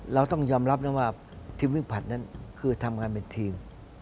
เราต้องยอมรับนะว่าทีมวิ่งผลัดนั้นคือทำงานเป็นทีม